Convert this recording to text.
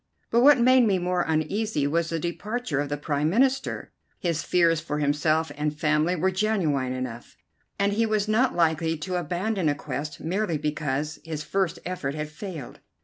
But what made me more uneasy was the departure of the Prime Minister. His fears for himself and family were genuine enough, and he was not likely to abandon a quest merely because his first effort had failed.